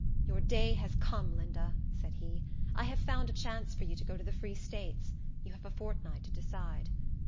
"Your day has come, Linda," said he. "I have found a chance for you to go to the Free States. You have a fortnight to decide."